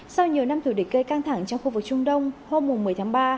sau nhiều năm thủ địch gây căng thẳng trong khu vực trung đông hôm một mươi tháng ba